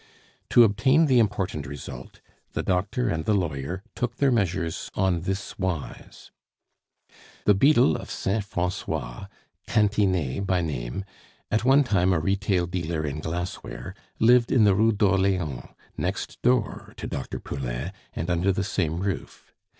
To obtain the important result, the doctor and the lawyer took their measures on this wise: The beadle of Saint Francois, Cantinet by name, at one time a retail dealer in glassware, lived in the Rue d'Orleans, next door to Dr. Poulain and under the same roof.